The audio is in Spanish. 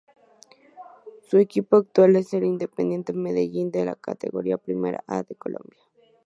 Su equipo actual es el Independiente Medellín de la Categoría Primera A de Colombia.